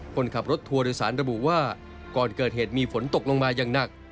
คนขับรถทัวร์โดยสารระบุว่าก่อนเกิดเหตุมีฝนตกลงมาอย่างหนัก